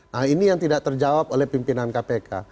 nah ini yang tidak terjawab oleh pimpinan kpk